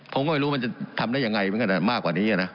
ผมก็ไม่รู้มันจะทำได้ยังไงมันก็มากกว่านี้นะ